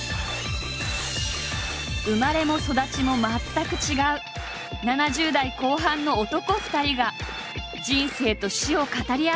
生まれも育ちも全く違う７０代後半の男２人が人生と死を語り合う。